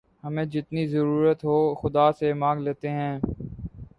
ہمیں جتنی ضرورت ہو خدا سے مانگ لیتے ہیں